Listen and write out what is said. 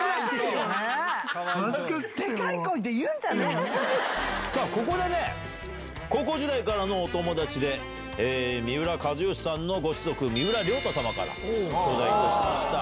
でかい声で言うんじゃねえっさあ、ここでね、高校時代からのお友達で、三浦知良さんのご子息、三浦りょう太様から頂戴いたしました。